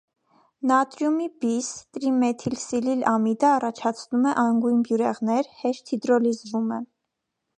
Նատրիումի բիս(տրիմեթիլսիլիլ) ամիդը առաջացնում է անգույն բյուրեղներ, հեշտ հիդրոլիզվում է։